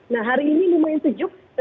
nah hari ini lumayan sejuk